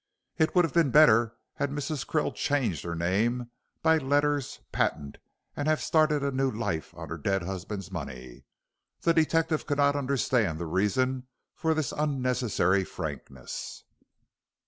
It would have been better had Mrs. Krill changed her name by letters patent and have started a new life on her dead husband's money. The detective could not understand the reason for this unnecessary frankness.